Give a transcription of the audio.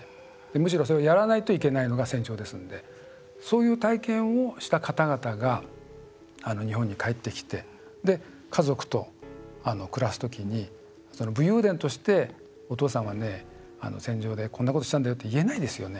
むしろそれをやらないといけないのが戦場ですのでそういう体験をした方々が日本に帰ってきて家族と暮らす時に武勇伝としてお父さんはね、戦場でこんなことしたんだよって言えないですよね。